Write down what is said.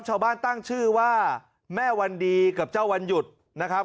ชาวบ้านตั้งชื่อว่าแม่วันดีกับเจ้าวันหยุดนะครับ